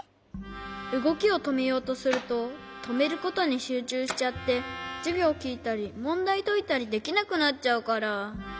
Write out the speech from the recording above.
うごきをとめようとするととめることにしゅうちゅうしちゃってじゅぎょうきいたりもんだいといたりできなくなっちゃうから。